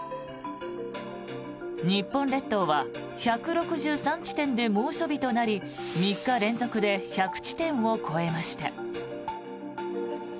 日本列島は１６３地点で猛暑日となり３日連続で１００地点を超えました。